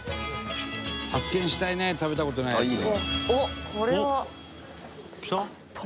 「発見したいね食べた事ないやつ」